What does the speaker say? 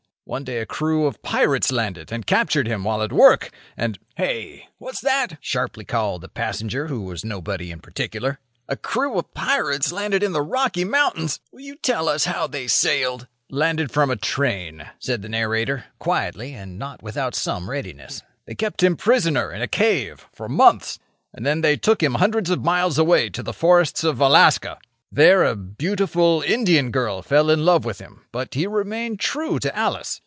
One day a crew of pirates landed and captured him while at work, and—" "Hey! what's that?" sharply called the passenger who was nobody in particular—"a crew of pirates landed in the Rocky Mountains! Will you tell us how they sailed—" "Landed from a train," said the narrator, quietly and not without some readiness. "They kept him prisoner in a cave for months, and then they took him hundreds of miles away to the forests of Alaska. There a beautiful Indian girl fell in love with him, but he remained true to Alice.